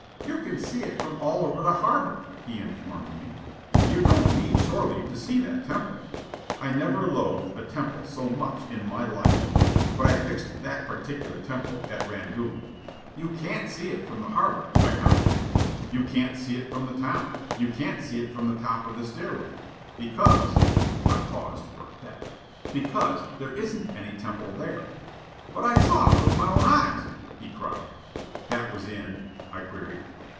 "You can see it from all over the harbor," he informed me. "You don't need shore leave to see that temple." I never loathed a temple so in my life. But I fixed that particular temple at Rangoon. "You can't see it from the harbor," I contradicted. "You can't see it from the town. You can't see it from the top of the stairway. Because " I paused for the effect. "Because there isn't any temple there." "But I saw it with my own eyes!" he cried. "That was in ?" I queried.